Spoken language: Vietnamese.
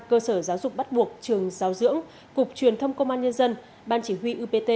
cơ sở giáo dục bắt buộc trường giáo dưỡng cục truyền thông công an nhân dân ban chỉ huy upt